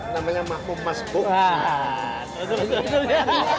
namanya makmum masbuk